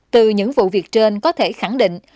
từ những vụ việc trên có thể khẳng định